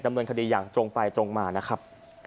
ดำเนินคดีอย่างตรงไปตรงมานะครับ